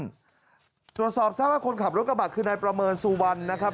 ตรวจสอบทราบว่าคนขับรถกระบะคือนายประเมินสุวรรณนะครับ